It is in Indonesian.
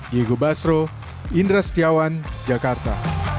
diego basro indra setiawan jakarta